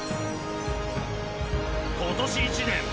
今年一年